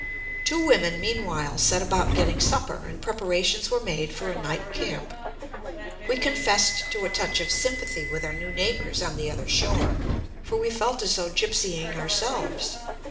Two women meanwhile set about getting supper, and preparations were made for a night camp. We confessed to a touch of sympathy with our new neighbors on the other shore, for we felt as though gypsying ourselves.